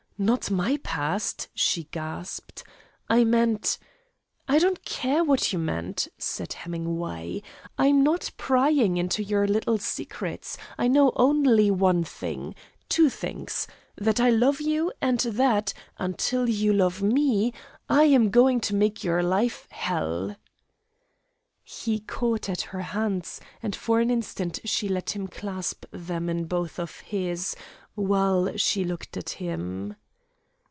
"Not my past," she gasped. "I meant " "I don't care what you meant," said Hemingway. "I'm not prying into your little secrets. I know only one thing two things, that I love you and that, until you love me, I am going to make your life hell!" He caught at her hands, and for an instant she let him clasp them in both of his, while she looked at him.